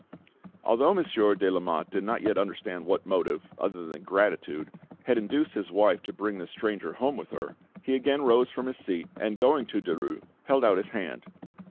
Although Monsieur de Lamotte did not yet understand what motive, other than gratitude, had induced his wife to bring this stranger home with her, he again rose from his seat, and going to Derues, held out his hand.